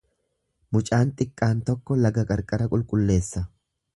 Mucaan xiqqaan tokko laga qarqara qulqulleessa.